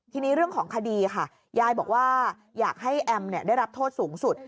ทีนี้เรื่องของคดีค่ะยายบอกว่าอยากให้แอมได้รับโทษสูงสุด